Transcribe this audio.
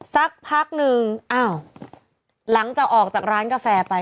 สักพักนึงอ้าวหลังจากออกจากร้านกาแฟไป